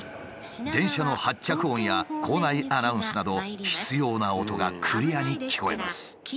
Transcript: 電車の発着音や構内アナウンスなど必要な音がクリアに聞こえます。